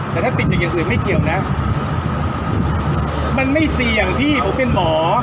แต่ถ้าติดจากอีกอย่างอื่นไม่เกี่ยวนะ